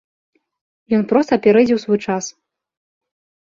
Ён проста апярэдзіў свой час.